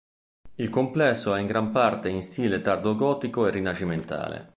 Il complesso è in gran parte in stile tardo-gotico e rinascimentale.